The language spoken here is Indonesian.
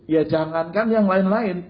ya jangankan yang lain lain